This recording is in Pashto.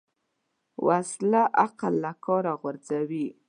وسله عقل له کاره غورځوي